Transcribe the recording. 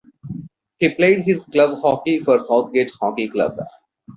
He played his club hockey for Southgate Hockey Club.